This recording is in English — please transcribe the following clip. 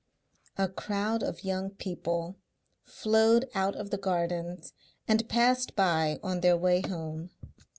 A crowd of young people flowed out of the gardens and passed by on their way home.